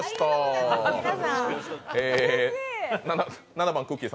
７番、くっきー！